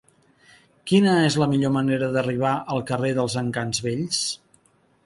Quina és la millor manera d'arribar al carrer dels Encants Vells?